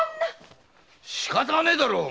しかたがねえだろ！